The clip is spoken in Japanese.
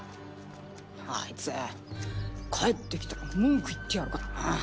あいつ帰ってきたら文句言ってやるからな。